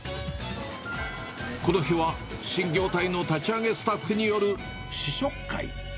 この日は新業態の立ち上げスタッフによる試食会。